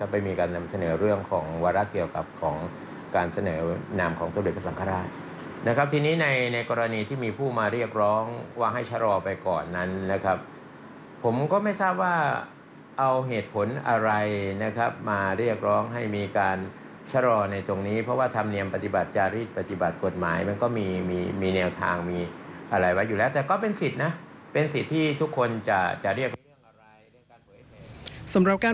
ไม่มีการสเนอเรื่องของวารักษ์เกี่ยวกับการสเนอหนามของโทรศักดิ์ภาษาศักดิ์ภาคศักดิ์ภาคศักดิ์ภาคศักดิ์ภาคศักดิ์ภาคศักดิ์ภาคศักดิ์ภาคศักดิ์ภาคศักดิ์ภาคศักดิ์ภาคศักดิ์ภาคศักดิ์ภาคศักดิ์ภาคศักดิ์ภาคศักดิ์ภาคศั